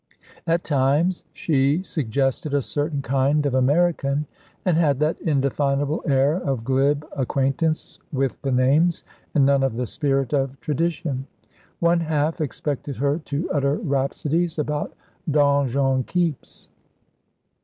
At times she suggested a certain kind of American, and had that indefinable air of glib acquaintance with the names, and none of the spirit of tradition. One half expected her to utter rhapsodies about donjon keeps.